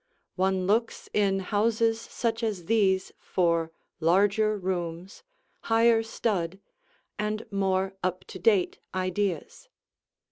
One looks in houses such as these for larger rooms, higher stud, and more up to date ideas.